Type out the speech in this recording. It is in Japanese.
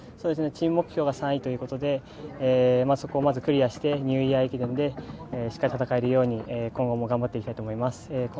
チーム目標が３位ということでそこをまずクリアしてニューイヤー駅伝でしっかり戦えるように今後も頑張っていきたいと思います。